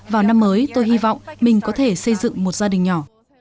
vào năm mới tôi hy vọng mình có thể xây dựng một gia đình nhỏ